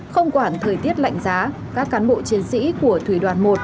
không quản thời tiết lạnh giá các cán bộ chiến sĩ của thủy đoàn một